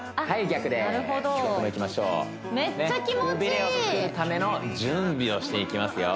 逆もいきましょうくびれをつくるための準備をしていきますよ